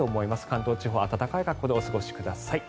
関東地方暖かい格好でお過ごしください。